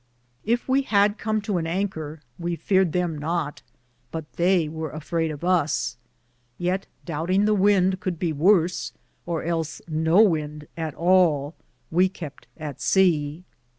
Yf we had com to an anker we feared them note, but theye weare a frayed of us ; yeat doubt inge the wynde would be worse, or else no wynd at all, we kept at sea.